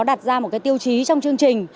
đặt ra một cái tiêu chí trong chương trình